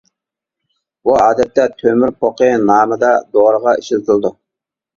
بۇ ئادەتتە «تۆمۈر پوقى» نامىدا دورىغا ئىشلىتىلىدۇ.